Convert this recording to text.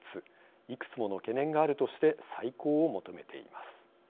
いくつもの懸念があるとして再考を求めています。